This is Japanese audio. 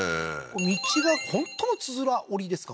道が本当のつづら折りですか？